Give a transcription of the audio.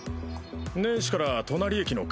年始から隣駅の